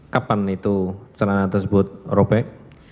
kapan itu celana tersebut robek